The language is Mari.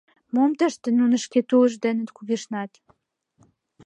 Мом тыште нуно шке тулышт дене кугешнат!